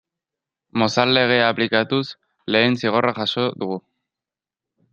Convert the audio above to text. Mozal Legea aplikatuz lehen zigorra jaso dugu.